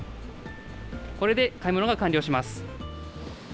これで買い物が完了します。